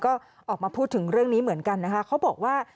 ก็ออกมาพูดถึงเรื่องนี้เหมือนกันนะคะ